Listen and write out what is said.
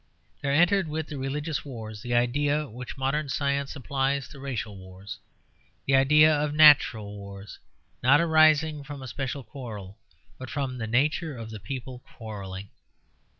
There entered with the religious wars the idea which modern science applies to racial wars; the idea of natural wars, not arising from a special quarrel but from the nature of the people quarrelling.